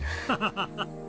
ハハハハ。